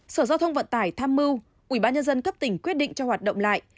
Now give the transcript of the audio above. sở giao thông vận tải tham mưu ubnd cấp tỉnh quyết định cho hoạt động lại